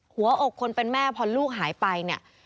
หัวอกคนเป็นแม่พอลูกหายไป